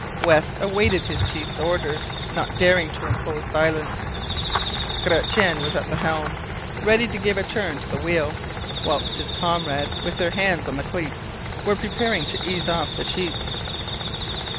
West awaited his chief's orders, not daring to impose silence. Gratian was at the helm, ready to give a turn to the wheel, whilst his comrades with their hands on the cleats were preparing to ease off the sheets.